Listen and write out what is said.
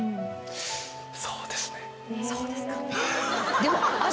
そうですか。